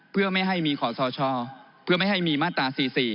เพื่อไม่ให้มีขอสชเพื่อไม่ให้มีมาตรา๔๔